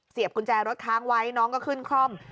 กุญแจรถค้างไว้น้องก็ขึ้นคล่อม